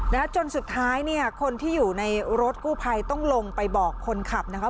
นะคะจนสุดท้ายเนี่ยคนที่อยู่ในรถกู้ภัยต้องลงไปบอกคนขับนะคะ